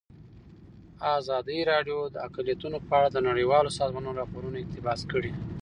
ازادي راډیو د اقلیتونه په اړه د نړیوالو سازمانونو راپورونه اقتباس کړي.